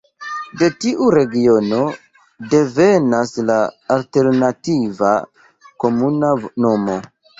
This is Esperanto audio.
De tiu regiono devenas la alternativa komuna nomo.